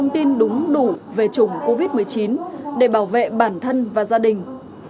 thông tin đúng đủ về chủng covid một mươi chín để bảo vệ bản thân và gia đình